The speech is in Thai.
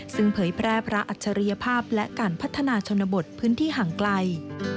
ซึ่งเผยแพร่พระอัจฉริยภาพและการพัฒนาชนบทพื้นที่ห่างไกล